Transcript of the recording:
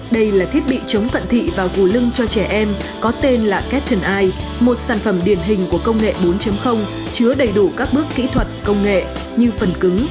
đây là thiết bị chống cận thị và gù lưng cho trẻ em có tên là cattene một sản phẩm điển hình của công nghệ bốn chứa đầy đủ các bước kỹ thuật công nghệ như phần cứng